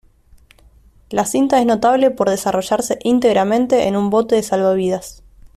La cinta es notable por desarrollarse íntegramente en un bote salvavidas.